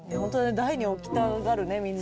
台に置きたがるねみんな。